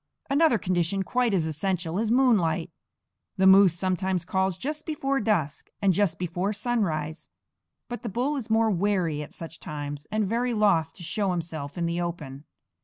Another condition quite as essential is moonlight. The moose sometimes calls just before dusk and just before sunrise; but the bull is more wary at such times, and very loth to show himself in the open.